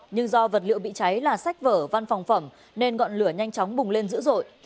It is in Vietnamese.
nhưng do vật liệu bị cháy là sách vở văn phòng phẩm nên ngọn lửa nhanh chóng bùng lên dữ dội